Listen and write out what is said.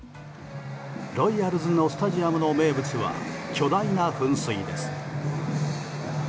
ロイヤルズのスタジアムの名物は巨大な噴水です。